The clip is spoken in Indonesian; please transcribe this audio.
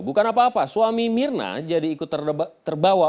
bukan apa apa suami mirna jadi ikut terbawa